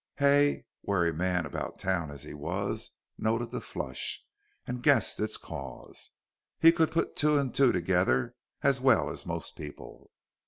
Hay, wary man about town as he was, noted the flush, and guessed its cause. He could put two and two together as well as most people.